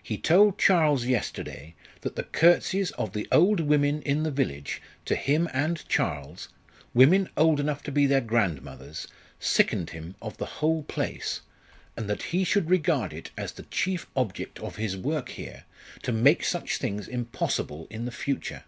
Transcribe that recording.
"He told Charles yesterday that the curtseys of the old women in the village to him and Charles women old enough to be their grandmothers sickened him of the whole place, and that he should regard it as the chief object of his work here to make such things impossible in the future.